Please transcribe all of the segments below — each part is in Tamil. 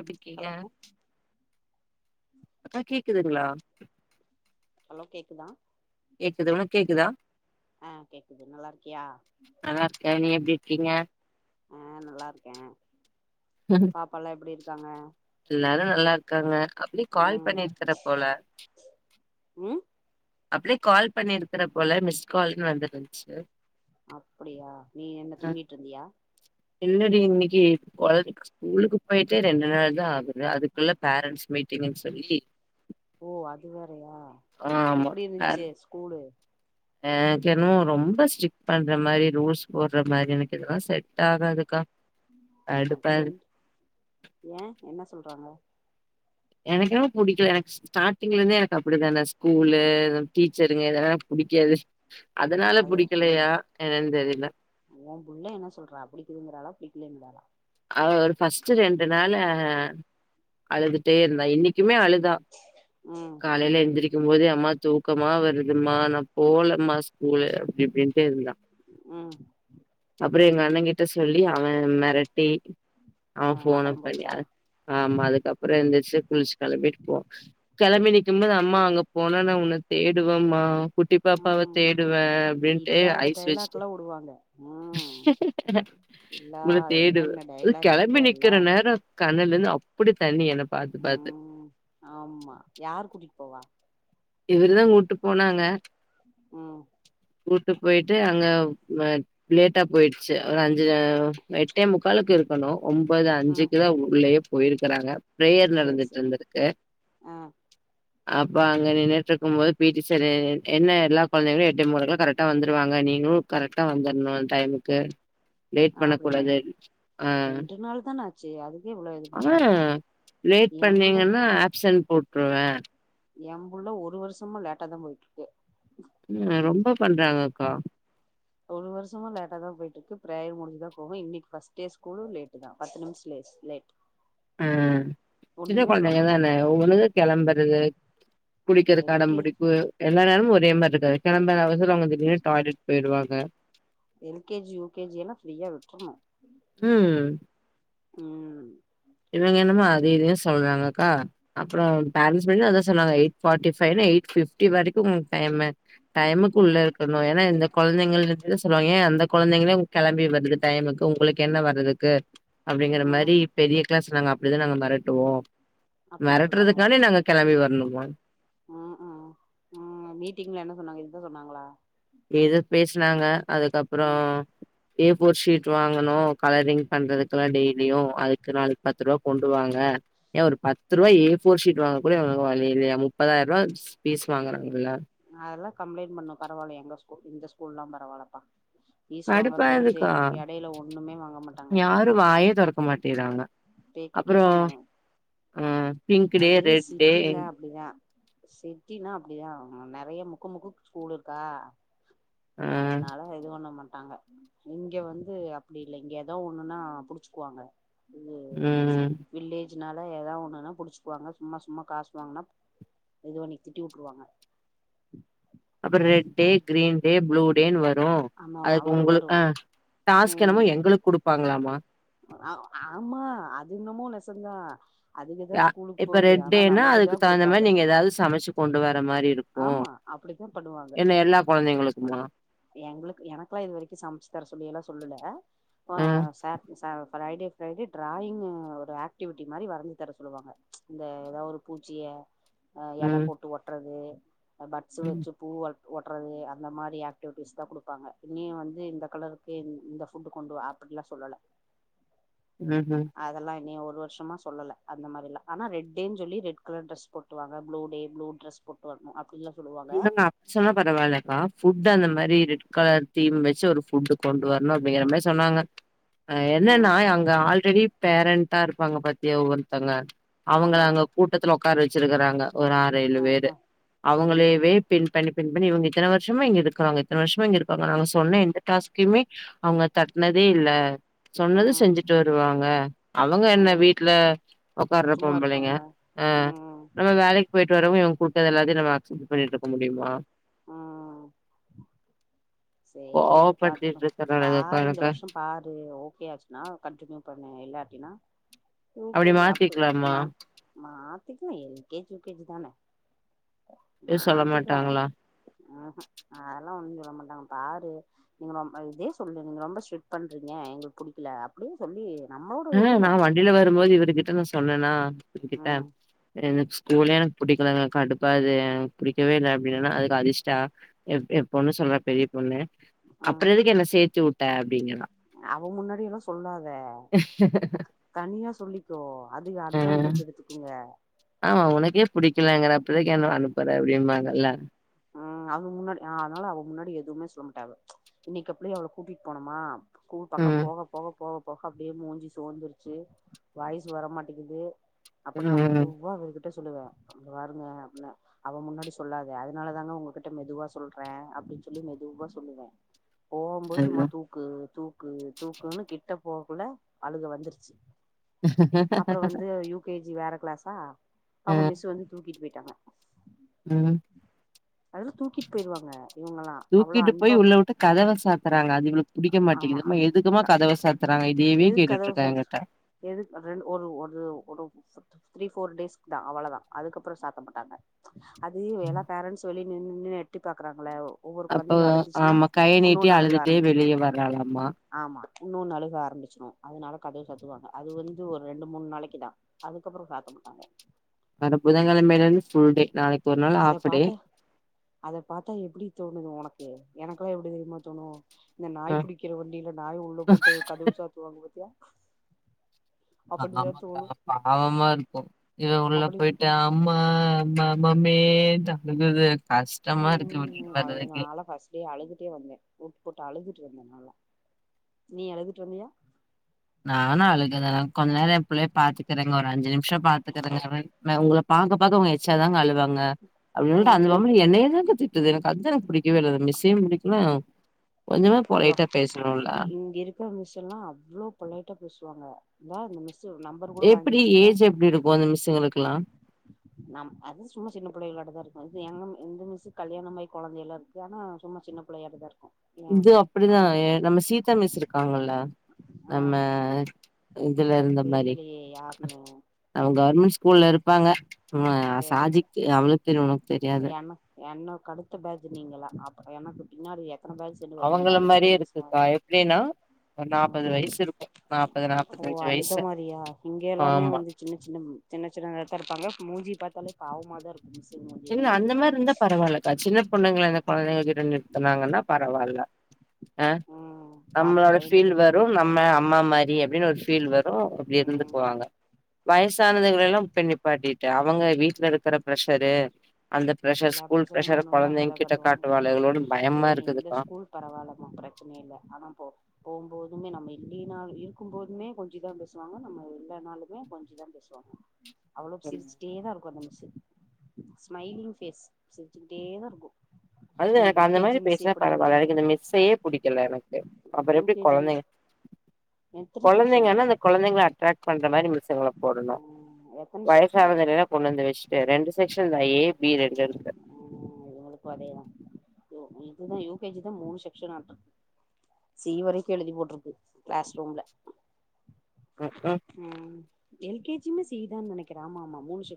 எப்டிருக்கீங்க ஹலோ அக்கா கேக்குதுங்களா ஹலோ கேக்குதா கேக்குது உனக் கேக்குதா ஆ கேக்குது நல்லாருக்கியா நல்லா இருக்கே நீ எப்டி இருக்கீங்க ஆ நல்லாருக்கே பாப்பால்லா எப்டி இருக்காங்க நல்லாருக்காங்க அப்ளி கால் ம் பண்ணிர்க்ற போல ம் அப்டே கால் பண்ணிருக்கற போல மிஸ்ட் கால்ன்னு வந்துருந்துச்சு அப்டியா நீ என்ன தூங்கிட்ருந்தியா இல்லடி இன்னைக்கி கொழந்தைகு ஸ்கூலுக்கு போயிட்டே ரெண்டு நாள் தா ஆகுது அதுக்குள்ள பேரண்ட்ஸ் மீட்டிங்ன்னு சொல்லி ஓ அது வேறையா ஆ ஆம்மா பேர கோ ஏக்கென்மோ ரொம்ப ஸ்ட்ரிக் பண்ற மாரி ரூல்ஸ் போட்ற மாரி எனக்கு இதுல்லா செட் ஆகாதுக்கா கடுப்பா அப்டி இருக்கு என்ன ஏ என்ன சொல்றாங்க எனக்கென்னமோ புடிக்கல எனக் ஸ்டாட்டிங்ல இந்தே எனக்கு அப்டிதான ஸ்கூலு டீச்சருங்க இதெல்லா புடிக்காது அதனால புடிக்கலையா என்னன் தெரில ஓன் புள்ள என்ன சொல்றா புடிக்குதுங்கிறாலா புடிக்கலங்காலா அவ ஒரு பர்ஸ்ட்ட் ரெண்டு நாள் அழுதுட்டே இருந்தா இன்னைக்கு க்குமே அழுதா ம் காலையில எந்திர பக்கும் போோது அம்மா தூக்கமா வருதுமா நான் போலம்மா ஸ்கூல அப்படிப்படின்ட்டு இருந்தா ம் அப்புறம் எங்க அண்ணன் கிட்ட சொல்லி அவன் மிர டி அவ ஆ போன அப்பறம் பண்ணி போச்சா ஆமா அதுக்கு ஆ ரெண்டுடிச்ச குளிச்சு கெளம்பிட்டு போவோ எப் கெளம்பி நிக்கும்போது அம்மா அங்க போன உன தேடுவமா- குட்டி பாப்பாவ ம் தேடுவ அப்படின்ட்டு இல்லாத ஐஸ் வச்சி டைலாக்ல்லா வுடுவாங்க ம் எல்லா உ தேடு என்னென்ன அது டைலாக் கெளம்பி இருக்கோ எல்லா நிக்கிற நேரம் கண்ணல இருந்து அ அப்படி தண்ணி ம் ஆமா யாரு கூட்டிகிட்டு போவா இவருதான் கூட்டி போனாங்க ம் கூட்டுக்கு போயிட்டு அங்க லேட்டா போயிடுச்சு ஒரு அஞ்சு எட்டே முக்காலக்கு இருக்கணும் ஒன்பது ம் அஞ்சுக்கு தான் உள்ளயே போயிருக்கறாங்க பிரேயர் சேரி நடந்துட்டு சேரி இருந்திருக்கு ஆ அப்பா [unintelligible] பி டி சார் என்ன எல்லா குழந்தைகளும் எட்டு முக்கா கரெக்டா வந்துருவாங்க நீங்களும் கரெக்டா வந்துரனும் டைமுக்கு லேட் ஆ அப்டிங்க பண்ணக்கூடாது ஆ ரெண்டு நாள் தான ஆச்சு அதுக்கே இவ்ளோ இது ஆ பண்றாங்களா லேட் என் புள்ள பண்ணீங்கன்னா ஆப்சன்ட் போட்டுருவேன் என்புள்ள ஒரு வருஷமா லேட்டாதான் போயிட்டு இருக்கு இங்க ரொம்ப- பண்றாங்க அக்கா ஒரு வருஷமா லேட்டா தான் போயிட்டு இருக்கு பிரேய முடி்சதான் போங்க இன்னைக்கு பர்ஸ்ட் டே ஸூலும் லேட்டு தான் பத்து நிமிஷம் லே் லேட் ஆ சின்ன ஒண்ணுமே சொல்ல குழந்தைங்க மாட்டாங்க தானே ஒவ்வனக்கு கிளம்பறது குடிக்கது எல் அடம் கே பிடிப்பு எல்ல நேரமும் ஒரே மாதிரி [unintelligible] டாய்லட் எல்கேஜி யூகேஜி எல்லாம் ஃப்ரீயா விட்ரணும். ம் ம் இவங்க என்னமோ அது இதுனு சொல்றாங்கக்கா அப்புறம் பேரண்ட்ஸ் ம் மீட்ல அதான் சொன்னாங்க எயிட் ஃபாட்டிபைல எயிட் பிப்டி வரைக்கும் உங்களுக்கு டைம் டைமுக்கு உள்ள ம் இருக்கணும் ஏன்னா இந்த கொழந்தைக கிட்ட சொல்லுவாங்க என் அந் அந்த கொழந்தைங்களே உம் கெளம்பி வருது டைமுக்கு உங்களுக்கு என்ன வர்றதுக்கு அப்டிங்கற ம் மாரி பெரிய [unintelligible] நாங்க அப்டிதா நாங்க மெரட்டுவோ அப்டின்னு மெரட்டுறதுக்கானே நாங்க கெளம்பி வரணு. ஓன் உம் உம் உம் மீட்டிங்ல என்ன சொன்னாங்க இதுதா சொன்னாங்களா? இது பேசுனாங்க. ம் அதுக்கப்புறம் ஏ போர் ஷீட் வாங்கனும் கலரிங் பண்றதுக்கெல்லா டெய்லியு அதுக்கு நாளைக்கு பத்து ரூவா கொண்டு வாங்க ஏன் ஒரு பத்து ரூவா ஏ போர் ஷீட் வாங்க கூட இவ்ங்களுக்கு வழி இல்லியா? முப்பதாயிரம் ரூவா பீஸ் வாங்குறாங்கல்ல அதெல்லாம் கம்ப்ளைண்ட் பண்ணு பரவால எங்க ஸ்கூல் இந்த ஸ்கூல்லாம் பரவாலப்பா. கடுப்பாதுக்கா ஒண்ணுமே வாங்க மாட்டாங்க யாரும் வாயேதெறக்கமாட்டேறாங்க கேக்கு கேக்கணு அப்றம் அஹ் பிங்கு டே அது ரெட் டே சிட்டில அப்டிதா சிட்டினா அப்டிதா நறைய முக்கு முக்குக் ஸ்கூல் இருக்கா? ஆ அதனால இது ஒண்ணு மன் டாங்க இங்க வந்து அப்டி இல்ல இங்க ஏதோ ஒண்ணுன்னா புடிச்சுக்குவாங்க. உம் னால ஏதா ஒண்ணுன்னா புடிச்சுக்குவாங்க சும்மா சும்மா காசு வாங்குன்னா இதுபண்ணி திட்டி வுட்டுருவாங்க. ம் [inaudible] அப்றோ red day green day blue டேன் வ ஆமா மா வரும் வரும் டாஸ்க் உம் என்னமோ எங்களுக்கு குடுப்பாங்களாமா அவ் ஆமா அது என்னமோ நெ சந்தா யா இப்ப ரெட் டேன்னா தா அதுக்கு தகுந்த குடுப்பாங்க மாரி நீங்க ஏதாவ்து சமைச்சு கொண்டு வர மாரி இருக்கு ஆமா அப்டித்தா பண்ணுவாங்க. என்ன எல்லா கொழந்தைங்களுக்குமா எங்களுக்கு எனக்கெல்லா இது வரைக்கும் சமைச்சு தர சொல்லி எல்லாம் சொல்லுல ம் ஆஹ் [inaudible] ஃப்ரைடே ஃப்ரைடே டிராயிங் ஒரு ஆக்டிவிட்டி மாரி வரஞ்சு தர சொல்லுவாங்க இந்த ஏதாவ்து ஒரு பூச்சிய ஆஹ் எல ம் போட்டு ஒட்டுறது பட்ஸ் ம் வச்சு பூவல் ஓட்டுறது அந்த மாரி ஆக்டிவிட்டிஸ் தா குடுப்பாங்க இங்கியும் வந்து இந்த கலருக்கு இ இந்த ஃபுட்டு் கொண்டு அப்டிலாம் சொல்லல ம்ஹ்ம் அதெல்லா இன்னைய ஓர் ஒரு வர்ஷமா சொல்லல அந்த மாரில்லா ஆன ரெட் டேன்னு சொல்லி ரெட் கலர் டிரஸ் போட்டுவாங்க blue day blue dress boat [unintelligible] நா அப்படிச்சொன்ன பரவாயில்லைக்கா பிவூட் அந்த ம் மாரி ரெட் கலர் தீம் வெச்சு ஒரு ஃப்வூட் கொண்டு வரணு அப்டிங்கிற மாரி சொன்னாங்க அஹ என்னன்னா ம் அங்க ஆல்ரெடி பேரண்டா இருப்பாங்க பாத்திய ஒவ்வருத்தங்க அவங்க ஆமா அங்க கூட்டத்துல உக்கார் வச்சிருக்கறாங்க ஒரு ஆற ஏழு ஆ பேரு ஆ செரி அவங்களே பின் பண்ணி பின் பண்ணி இவங்க இத்தனை வருஷமா இங்க இருக்கிறாங்க இத்தன வருஷமா இங்க இருக்காங்க நாங்க சொன்ன எந்த டாஸ்குமே அவங்க தட்டனதே இல்ல சொன்னது ம் செஞ்சுட்டு வருவாங்க அவங்க என்ன அந்த வீட்டுல உட்கார்ற சும்மா பொம்பளைங்க இருப்பாங்க ஆஹ் ம் நம்ம வேலைக்கு போயிட்டு வரறவங் இவ் கூட்டத எல்லாதையு நம அசிஸ் பண்ணிடுருக்க முடியுமா ஆஹ் சேரி விடு பாத்துக்கோ கோவப்படுத்திட்டு பாரு இந்த இருக்கறனாலக்கா வருஷோ பாரு ஓகேயாச்சுன்னா கண்டினியூ பண்ணு இல்லா அப்டினா அப்டி யுகேஜி அப்பு மாத்திக்கலாமா மா மாத்திக்கலா எல்கேஜி யுகேஜி தான எது சொல்ல மாத்திக்கலா மாட்டாங்களா அதெல்லா ஹும் ஹும் அதெல்லா ஒண்ணு சொல்ல மா நாம் பாரு நீங்க ரொம்ப இதே சொல்லு நீங்க ரொம்ப ஸ்ட்ரிக்ட் பண்றீங்க எங்களுக்கு புடிக்கல அப்டியே சொல்லி நம்மளோட ஆஹ் உரிம நான் வண்டியில வரும்போது இவருகிட்ட நா சொ சொன்னேன்னா கிட்ட ம் எனக்கு ஸ்கூல்லே எனக்கு புடிக்கலங்க கண்டுப்பாது புடிக்கவே இல்ல அப்டின்னனா அதுக்கு அதிர்ஷ்டா எ பொண்ணு சொல்ற பெரிய பொண்ணு ம் அப்பறோ எதுக்கு என்ன சேத்தி வுட் டா அப்டிங்கற அவ முன்னாடி எல்லா சொல்லாத தனியா சொல்லிக்கோ அதுக ஆ அட்வான்டேஜ் எடுத்துக்கங்க ஆமா உனக்கே புடிக்கலாங்கன்ற அப்ப எதுக்கு என்ன அனுப்புற அப்டிமாங்கல்ல உஹம் அவங்கக்கு முன்னாடி் அதனால அவ முன்னாடி எதுவுமே சொல்ல மாட்டாவ இன்னைக்கி அப்டியே அவள கூட்டிட்டு போனோமா ஸ்கூல் பக்கம் ம் போக போக போக போக அப்டியே மூஞ்சி சோந்துருச்சு வாய்ஸ் வரமாட்டேக்குது அப்பறோ நாம ம் மெதுவா அவ ட்ட சொல்லுவ பாருங்க [unintelligible] அவ முன்னாடி சொல்லாது அத அதனால தாங்க உங்ககிட்ட மெதுவா சொல்றே அப்டின்னு சொல்லி மெதுவா சொல்லுவ போகும்போது ம்மா அதுதா தூக்கு தூக்கு தூக்குன்னு கிட்ட போகுல அழுக வந்துருச்சு அப்புறம் வந்து யூகேஜி வேற கிளாசா அவ ம் மிஸ்சு வந்து தூக்கிட்டு போயிட்டு க்கா ம் அதெல்லா தூக்கிட்டு போயிருவாங்க இவங்கல்லா அவ்ளோ தூக்கிட்டு போய் அன்பா உள்ள வுட்டு கதவ சாத்துறாங்க அது இவளுக் புடிக்க ஆமா மாட்டேங்குதும்மா எதுக்குமா க கதவை சாத்தறாங்க எதுக்கு கதவு சாத்த எது ரெ ஒரு ஒரு ஒரு த்ரீ, ஃபோர் டேஸ்க்குதா அவ்வளதா அதுக்கப்பறோ சாத்த மாட்டாங்க அது எல்லா பேரன்ட்ஸ் சொல்லி நின்னு எட்டி பாக்குறாங்கள ஒவ்வொரு அப்ப கொழந்தைங்க அழுதுச்சுன்னா ஆமா கை நீட்டி உன்னொன்னு அழுக அழுதுட்டே வெளியே வர்றாங்கலாமா இன்னொன்னு அழுக ஆரம்பி ச்சிரு அதனால கதவு சாத்துவாங்க அது வந்து ஒரு ரெண்டு மூணு நாளைக்கிதா அதுக்கப்பறோ சாத்த மாட்டாங்க வர புதன்கொழமைலருந்து ஃபுல் டே நாளைக்கு ஒரு நாள் அத ஆஃப் டே பாத்தா அத பாத்தா எப்டி தோணுது உனக்கு, எனக் அப்ப எப்டி தெரியுமா தோணு இந்த நாய் புடிக்கிற வண்டில நாய உள்ள போட்டு கதவு சாத்துவாங்க பாத்தியா ஆ அப்படிதா ஆமாக்கா தோணு பாவமா இருக்கு, இவ உள்ள அப்படி போயிட்டு அம்மா அம்மா மம்மினு அழுகுது கஷ்டமா இருக்கு இவங்களுக்கு வர்றதுக்கே ட்டே வந்தே வுட்டு போட்டு அழுதுட்டு வந்தே நல்லா, நீ அழுதுட்டு வந்தியா? நா வேணா அழுகல கொஞ்ச நேர எம்புள்ளய பாத்துக்கிறங்க ஒரு அஞ்சு நிமிஷம் பாத்துக்கறங்க உங்கள பாக்க பாக்க அவுங்க எச்சாதாங்க அழுவாங் க அப்டி சொல்லிட்டு ம் அந்த பொம்பள என்னையதாங்க திட்டுது எனக்கு அதா எனக்கு பிடிக்கவே இல்ல அந்த மிஸ் புடிக்கல கொஞ்சமாது ஐயோ பொளைட்டா பேசணுல்ல இங்க இருக்கிற மிஸ் எல்லா அவ்ளோ பொலைட்டா பேசுவாங்க இதா அந்த மிஸ் எப்படி ஏஜ் எப்படி இருக்கு அந்த மிஸ்ஸுங்களுக்கெல்லா நம் அது சும்மா சின்ன பிள்ளைகளாட்டதா இருக்கு இது எங்க எங்க மிஸ் கல்யாணமாயி கொழந்தை எல்லா இருக்குது ஆனா சும்மா சின்ன பிள்ளையாட்டதா இருக்கு ஏ இது அப்படிதா அங்க நம்ம சீதா மிஸ் இருக்காங்ல்ல ஆ நம்ம இதுல இருந்த மாரி தெரிலையே யாருன்னு அவங் கவர்மெண்ட் ஸ்கூல்ல இருப் பாங்க நம்ம சாஜிக்கு அவுளுக்கு தெரியு உனக்கு தெரியாது எனக் என்னொ கடுத்த பேஜ்ஜு நீங்களா அப் எனக்குப்பின்னாடிய வேல் செஞ்சி வந்திங்க அவங்கள மாரியே அதுக்கப்ரமிஸ் இருக்குக்கா அது எப்டின்னா ஒரு அ நாப்பது வயசு இருக்கு நாப்பது ஓ நாப்பத்தஞ்சு அந்த வயசு மாரியா இங்க எல்லாமே ஆமா வந்து சின்ன சின்ன சின்ன சின்னதாத்தா இருப்பாங்க மூஞ்சிப்பாத்தாலே பாவ்மாதாருக்கு மிசு கின்னு அந்த மார் ருந்தா பரவால்லக்கா சின்னப்பொண்ணுங்ல அந்த கொழந்தங்க கிட்ட நிறுத்தனாங்கன்னா பரவால்ல ஆஹ் ம் பாத்து நம்ளோட ஃபீல் பயந்துக்கிறமான்னு வரும் நம்ம இருக்குறாங்க அம்மா மாரி அப்டின்னு ஒரு ஃபீல் வரூ அப்டி ம் இருந்துக்வாங்க வய்ஸ் சானதுங்களைல்லாம் பெண்ணிப்பாட்டிட்டு அவங்க வீட்லருக்கிற ப்ரஷரு எல்லா ப்ரஷரையும் கொண்டு வந்து கொழந்தைங்க அங்கதான் கிட்ட கட்டுவாங் காட்டுவாளுகளோன்னு பயமா ஐயோ இந்த இருக்குதுக்கா ஸ்கூல் பரவால்லமா பிரச்சனை இல்ல ஆனா போ போம்போதுமே நம்ம இல்லிய்னாவ் இருக்கும்போதுமே கொஞ்சிதா பேசுவாங்க நம்ம இல்ல நாளுமே கொஞ்சிதா பேசுவாங்க அவ்ளவ் ம். சிரிச்சிட்டே தான் இருக்கு அந்த மி ஸ்மைலிங் பேஸ் சிரிச்சிகிட்டேதாருக்கு அதுதா எனக்கு அந்த மாரி பேசுனா பரவால தெரில எனக் இந்த மிஸ்ஸையே புடிக்கல எனக்கு யூ அப்பறெப்டி கே ஜி மிஸ் கொழந்தைங்க எத்தன செக்ஷனு கொழந்தைங்கனா அந்த கொழந்தைங்க ட்ராக் பண்ற மாரி செவல போடணு ம் எத்தன செக்ஷனு வயசானகைலா கொண்டந்து வஸ்ட்டு ரெண்டு செக்ஷன் தாயி பி ரெண்டுருக்கு யோ இதுதா யுகேஜி தா மூணு செக்ஷன் ஆட்டு சி வரைக்கு எழுதி போட்ருக்கு கிளாஸ் ரூம்ல ம் ம் உம் எல் கே ஜி யுமே சி தான் நெனைக்கிறே ஆமா ஆமா மூணு ஷெ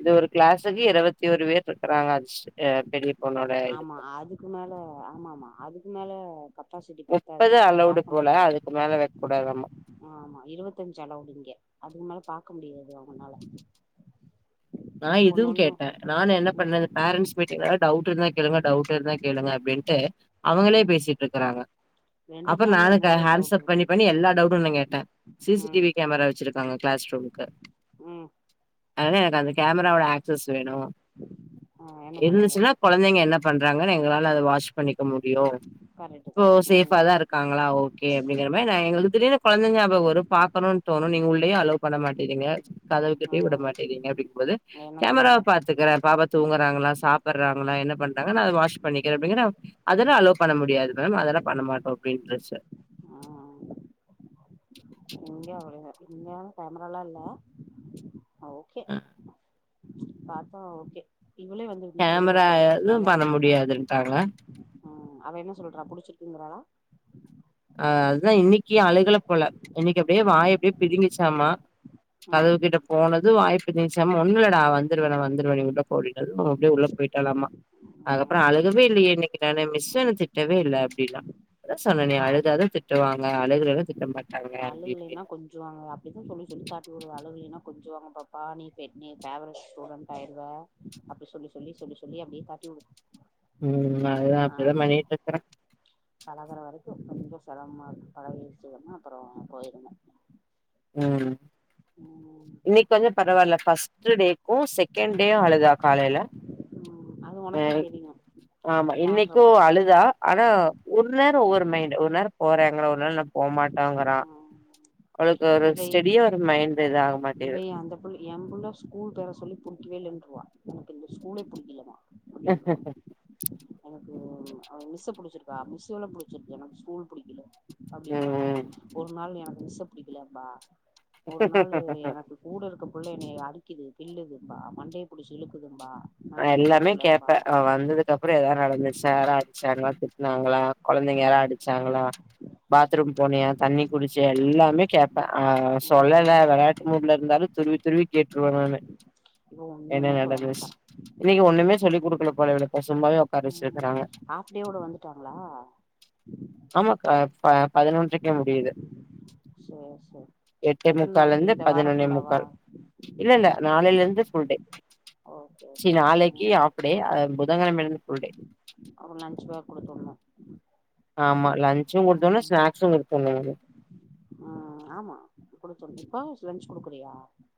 இது ஒரு கிளாஸுக்கு இருபத்தி ஒரு பேர் இருக்குறாங்க அச் அ பெரிய பொண்ணோட ஆமா இதுக் அதுக்கு மேல ஆமா ஆமா அதுக்கு மேல கப்பாசிட்டி பத்தாது அலவுடு பாக்க போல முடியாது அதுக்கு மேல வைக்க கூடாதாமா ஆமா இருபத்தஞ்சு அளவ்டிங்க அதுக் மேல பாக்க முடியாது அவனால நா இதுவு கேட்டே நான் என்ன பண்ணது பேரன்ட்ஸ் மீட்டிங்ல டவுட் ட் இர்ந்தா கேளுங்க டவ்ட் இர்ந்தா கேளுங்க அப்டின்ட்டு அவங்களே ம் பேசிட் இருக்கறாங்க ரெண்டு அப்புற நாள்ல நானு கெ என்னல்லா ஹேண்ட்ஸ் டவுட் அப் இருக்கு பண்ணி பண்ணி எல்லா டவுட்டுன்னு கேட்ட ம் சிசிடிவி கேமரா வச்சிருக்காங்க கிளாஸ் ரூம்க்கு ம் அர்ன ஆகாது கேமராவோட ஆக்சஸ் வேணு ஆ என்ன சொன்னாங்க இருந்துச்சுன்னா கொழந்தைங்க என்ன பண்றாங்கனு எங்களால அத வாட்ச் பண்ணிக்க முடியு கரெக்ட்டு இப்போ தா ம் சேஃபா தா இருக்காங்களா ஓகே அப்டிங்கிற மாரி நான் எங்களுக்கு திடீனு குழந்தைங்க நாபகம் வரும் பாக்கணுன் தோணும் நீங்க உள்ளயு அலோ பண்ண மாட் செரிங்க கதவு கிட்டயு விட ம் மாட்டேறீங்க அப்டி போது என்ன கேமரா சொன்னாங்க பாத்துக்கறேன் பாப்பா தூங்கறாங்களா சாப்புட்றாங்களா என்ன பண்றாங்கனது வாஷ் பண்ணிக்கிறே அப்படிங்கடா அதெல்லாம் அலோ பண்ண முடியாது மேம் அதெல்லாம் பண்ணமாட்டோம் அப்படின்றுச்சு ஆஹ் இங்க அவளுக இங்க கேமரால்லாம்ல்ல ஓகே பாத்தா ஓகே இவளே வந்து நீ கேமரா சொல்லுவாப்பரு எதுவும் நல்லா பண்ண இருச்சா நல்லா இரு முடியாதுன்ட்டாங்க ஹம் அவ என்ன சொல்றா புடிச்சிருக்கங்கிறாளா அஹ் அதுதான் இன்னைக்கு அழுகளை போல இன்னைக்கு அப்படியே வாய் அப்படியே பிதுங்கிங்கிச்சாமா கதவு ம் கிட்ட போனது அதுவும் வாய்ப்பு தீச்சாம ஒண்ணுலடா வந்துடுவேனா வந்துருவவேனு உள்ள போ அப்பிடின்னதும் அப்படியே உள்ள போயிட்டாலாமா அதுக்கப்புறம் ம் அளுகவே இல்லையே இன்னைக்கு நானு மிஸ் என்ன திட்டவே இல்ல அப்டின்னா தா சொன்னனே அ திட்டுவாங்க அலுகலனா திட்ட மாட் அலுகலனா கொஞ்சுவாங்க அப்டித்தான் சொல்லி சொல்லி தாட்டி விடுவா அலுகலனா கொஞ்சவாங்க பாப்பா நீ ஃபே பேவரட் ஸ்டூடெட் ஆயிருவ அப்டி சொல்லி சொல்லி சொல்லி சொல்லி அப்டியே தாட்டிவுடு உம் அதுதான் அப்டிதான் பண்ணிட்டு இருக்கறேன் கொஞ்சம் சிரமமா இருக்கு பழகிச்சினா அப்புறம் போயிருங்க உம் ம் இன்னைக்கு கொஞ்சம் பரவாயில்ல ஃபர்ஸ்ட் டேக்கும் செ கெண்டே அழுதா காலையில ம் அது ஹ உனக்கே தெரியு ஆமா மாற்றம் இன்னைக்கும் அழுதா ஆனா ஒருன்னேர ஒவ்வொரு மைண்ட் ஒருன்னேர போற அதனால நா போ மாட்டேங்கிறான் ம் இவை இவ அந்த புள்ள வ நமக்கு இந்த ஸ்கூலே புடிக்கலமா [unintelligible] ம் ஆ மிஸ்ச புடிச்சிருக்கா மிஸ் லா புடிச்சிருக்க எனக்கு ஸ்கூல் புடிக்கல அப்படிம்பா ஒரு நாள் எனக்கு மிஸ்ச புடிக்கலம்பா ஒரு நாளு ம் எனக்கு கூட இருக்க புள்ள என்னைய அடிக்கிது கில்லுதும்பா மண்டையை புடிச்சி இலுக்குதும்பா எல்லாமே கேப்பேன் அவ வந்ததுக்கு அப்புறம் ஏதாவது நடந்துச்ச ஆரச்சாங்க திட்னாங்களா குழந்தைங்க யாராம் அடிச்சாங்களா பாத்ரூம் போனியா தண்ணி குடிச்சியா எல்லாமே கேப் ஆ சொல்லல ம் விளையாட்டு மூட்ல இருந்தாலும் துருவி துருவி கேட் [unintelligible] இவ ஒண்ணுமே சொல்ல மாட்டா ஒன்னுமே சொல்லி குடுக்கல போல [unintelligible] சும்மாவே உட்கார ம் வச்சிருக்கறாங்க ஹாஃப் டேவோட வந்துட்டாங்களா ஆமாக்கா ப பதினொன்ரைக்கே முடிது சேர் சேர் எட்டே எத்தன நாளைக்கு முக்கால்லிருந்து இந்த வாரோ பதினொன்னே ஃபுல்லாவா முக்கால் இல்ல இல்ல நாளில இருந்து ஃபுல்டே ஓகே சி ஓகே நாளைக்கு ம் ஆஃப்டே அ புதங்கெழமைலிருந்து ஃபுல்டே அப்ப லன்ச் பேக் குடுத்து ஆமா லஞ் உம் ஹா ஆமா குடுத்துவிடனு இப்ப லஞ்ச் குடுக்கறயா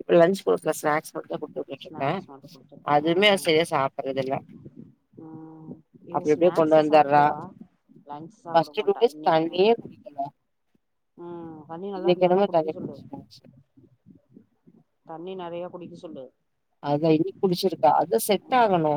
இப்ப லஞ்ச் குடுக்கல சிநேக்ஸ் மட்டுந்தா குடுத்து விட்டுட்டு இருக்க ஸ்நாக்ஸ் மட்டு குடுத்துரு ஆ அதுவுமே செர்யா சாப்பிடறதில்ல ம் இவ அப் அப்டியே கொண்டு ஸ்நாக்ஸ் வந்தர்றா சாப்டுவா லன்ச் சாப்ட பஸ்ட்டு மாட்டா குரூப் ஏஸ்ட் தண்ணியே குடிக்கல உம் இன்னிக்கேட்டானா தண்ணி [unintelligible] தண்ணி நெறயா குடிக்க சொல்லு அதா இனி குடிச்சிருக்கா அதா ஆ செட் ஆகணு